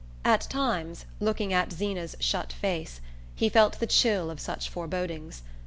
At times, looking at Zeena's shut face, he felt the chill of such forebodings.